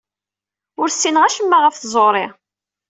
Ur ssineɣ acemma ɣef tẓuri.